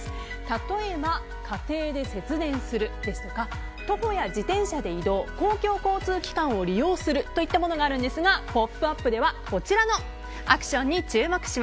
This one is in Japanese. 例えば、家庭で節電するですとか徒歩や自転車で移動公共交通機関を利用するといったものがあるんですが「ポップＵＰ！」ではこちらのアクションに注目。